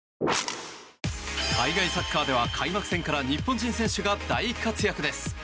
海外サッカーでは、開幕戦から日本人選手が大活躍です。